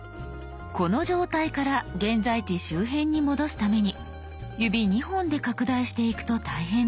この状態から現在地周辺に戻すために指２本で拡大していくと大変です。